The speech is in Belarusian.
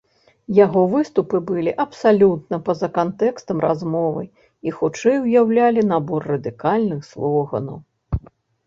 Яго выступы былі абсалютна па-за кантэкстам размовы, і хутчэй уяўлялі набор радыкальных слоганаў.